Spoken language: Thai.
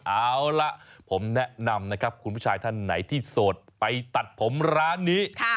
เอาล่ะผมแนะนำนะครับคุณผู้ชายท่านไหนที่โสดไปตัดผมร้านนี้